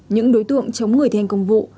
những đối tượng chống người thi hành công vụ